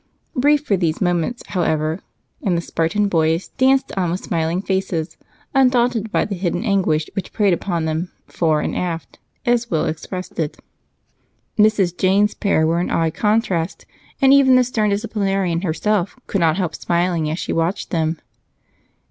Brief were these moments, however, and the Spartan boys danced on with smiling faces, undaunted by the hidden anguish which preyed upon them "fore and aft," as Will expressed it. Mrs. Jane's pair were an odd contrast, and even the stern disciplinarian herself could not help smiling as she watched them.